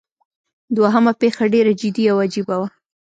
دوهمه پیښه ډیره جدي او عجیبه وه.